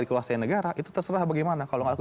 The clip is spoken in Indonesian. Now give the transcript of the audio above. dikuasai negara itu terserah bagaimana kalau ngaku